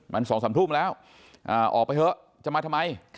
มัน๒๓ทุ่มแล้วออกไปเถอะจะมาทำไม